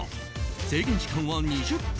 制限時間は２０分。